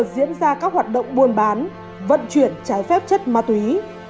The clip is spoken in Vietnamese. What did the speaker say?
diễn ra các hoạt động buôn bán vận chuyển trái phép chất ma túy